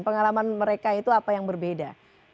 pengalaman mereka itu apa yang berbeda